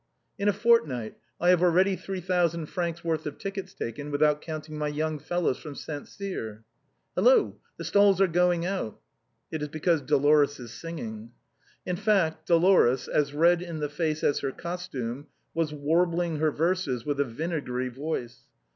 " In a fortnight, I have already three thousand francs' worth of tickets taken, without counting my young fellows from Saint Cyr." " Hello, the stalls are going out." " It is because Dolores is singing." In fact, Dolores, as red in the face as her costume, was warbling her verses with a vinegary voice.